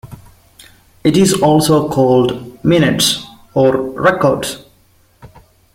It is also called minutes or records.